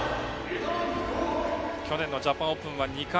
去年のジャパンオープンは２冠。